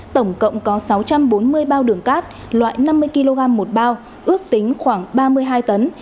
tổng cộng có sáu trăm bốn mươi bao đường cát loại năm mươi kg một bao ước tính khoảng ba mươi hai tấn